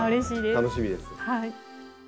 楽しみです。